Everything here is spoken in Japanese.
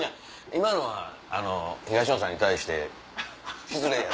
今のは東野さんに対して失礼やで。